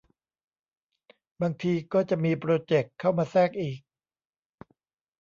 บางทีก็จะมีโปรเจกต์เข้ามาแทรกอีก